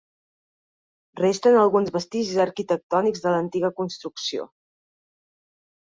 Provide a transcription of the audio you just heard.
Resten alguns vestigis arquitectònics de l'antiga construcció.